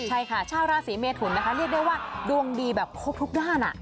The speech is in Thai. ใช่ค่ะชาวราศีเมทุนนะคะเรียกได้ว่าดวงดีแบบครบทุกด้าน